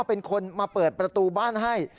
เป็นคนมาเปิดประตูบ้านให้